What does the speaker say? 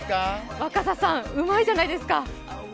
若狭さん、うまいじゃないですか。